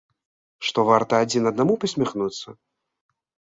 Што варта адзін аднаму пасміхнуцца?